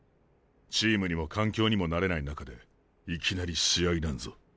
チームにも環境にも慣れない中でいきなり試合なんぞ。